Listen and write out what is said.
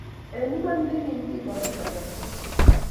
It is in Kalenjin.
eng iman ne gim ko kekachin kasarta